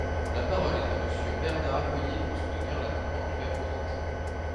La parole est à Monsieur Bernard Accoyer, pour soutenir l’amendement numéro trente.